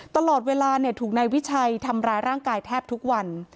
ตลอดเวลาถูกนายวิชัยทำร้ายร่างกายแทบทุกวัน